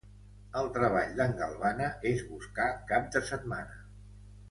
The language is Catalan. El treball d'en Galvana és buscar cap de setmana.